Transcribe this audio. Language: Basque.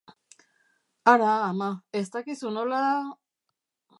Hara, ama, ez dakizu nola...